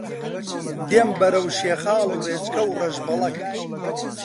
دێم بەرەو شیخاڵ و ڕێچکە و ڕەشبەڵەک